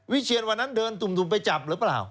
เชียนวันนั้นเดินตุ่มไปจับหรือเปล่า